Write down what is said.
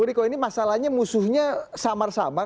bu riko ini masalahnya musuhnya samar samar